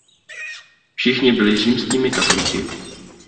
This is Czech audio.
Všichni byly římskými katolíky.